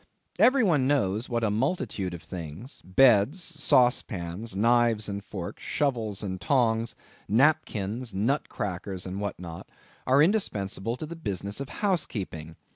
Every one knows what a multitude of things—beds, sauce pans, knives and forks, shovels and tongs, napkins, nut crackers, and what not, are indispensable to the business of housekeeping.